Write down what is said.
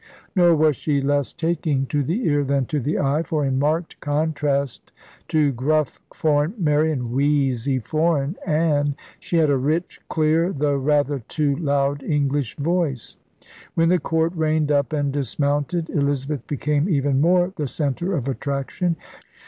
Nor was she less taking 52 ELIZABETHAN SEA DOGS to the ear than to the eye; for, in marked contrast to gruff foreign Mary and wheezy foreign Anne, she had a rich, clear, though rather too loud, English voice. When the Court reined up and dismounted, Elizabeth became even more the centre of attraction.